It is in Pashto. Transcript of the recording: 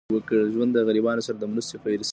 ژوند د غریبانو سره د مرستې فرصت دی.